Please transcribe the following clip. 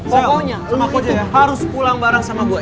sel rumahku itu harus pulang bareng sama gue